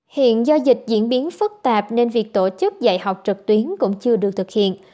hiện do dịch diễn biến phức tạp nên việc tổ chức dạy học trực tuyến cũng chưa được thực hiện